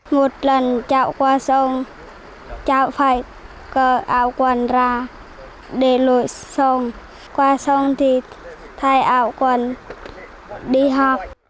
một lần chạy qua sông chạy phải cờ áo quần ra để lội sông qua sông thì thay áo quần đi học